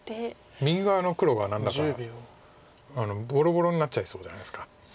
右側の黒が何だかボロボロになっちゃいそうじゃないですか。